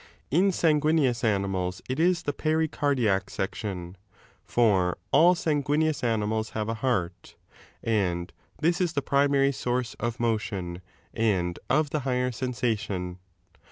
In sanguineous animals it is the pericardiac section, for all sanguineous animals have a heart, and this is the ij primary source of motion, and of the higher sensation.